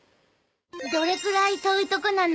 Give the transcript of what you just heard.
「どれくらい遠いとこなの？」